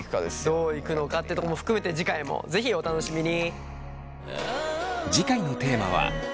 どういくのかってとこも含めて次回も是非お楽しみに！